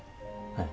はい。